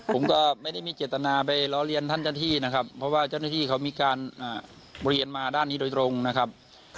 ผมก็ไม่ได้มีเจตนาไปล้อเลียนท่านเจ้าที่นะครับเพราะว่าเจ้าหน้าที่เขามีการเรียนมาด้านนี้โดยตรงนะครับ